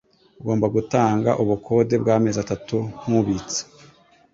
Ugomba gutanga ubukode bwamezi atatu nkubitsa.